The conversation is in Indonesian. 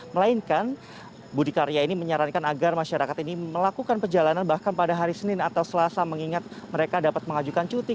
melainkan budi karya ini menyarankan agar masyarakat ini melakukan perjalanan bahkan pada hari senin atau selasa mengingat mereka dapat mengajukan cuti